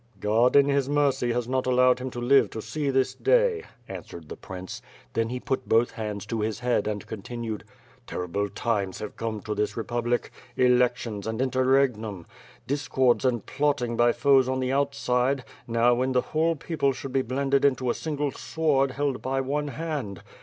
"God in his mercy has not allowed him to live to see this day," answered the prince, then he put both hands to his head and continued: "Terrible times have come to this re public! Elections and interregnum; discords and plotting by foes on the outside; now when the whole people should be blended into a single sword held by one hand.